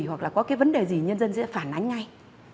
hoặc là có cái vấn đề gì nhân dân sẽ phản ánh ngay